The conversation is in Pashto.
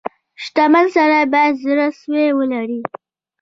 • شتمن سړی باید زړه سوی ولري.